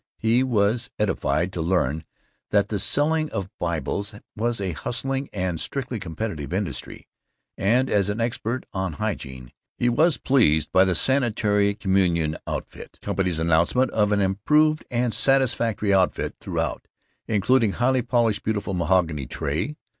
He was edified to learn that the selling of Bibles was a hustling and strictly competitive industry, and as an expert on hygiene he was pleased by the Sanitary Communion Outfit Company's announcement of "an improved and satisfactory outfit throughout, including highly polished beautiful mahogany tray.